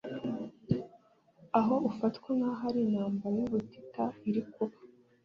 aho ufatwa nk’aho ari intambara y’ubutita iri kuba